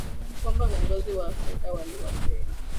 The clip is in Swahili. kwamba viongozi wa afrika waliwafeli